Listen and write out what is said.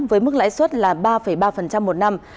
với mức lãi suất là ba ba một năm